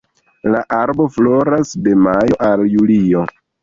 La arbo floras de majo al julio.